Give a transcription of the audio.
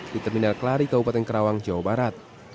di terminal kelari kabupaten kerawang jawa barat